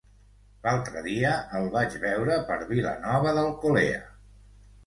L'altre dia el vaig veure per Vilanova d'Alcolea.